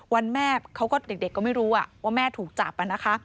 วันแม่เด็กก็ไม่รู้ว่าแม่ถูกจับแล้วนะคะ